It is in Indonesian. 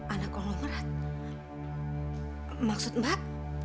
anak konglomerat maksud mbak